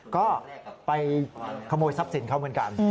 ก็ไปขโมยทรัพย์สินเขาเหมือนกัน